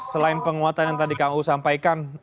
selain penguatan yang tadi kang u sampaikan